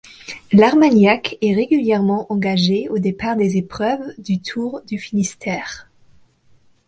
L'Armagnac est régulièrement engagé au départ des épreuves du Tour du Finistère.